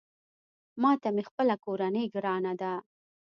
ماته مې خپله کورنۍ ګرانه ده